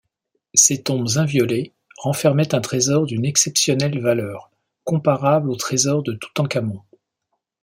Ces tombes inviolées renfermaient un trésor d'une exceptionnelle valeur, comparable au trésor de Toutânkhamon.